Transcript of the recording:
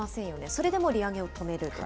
それでも利上げを止めるという。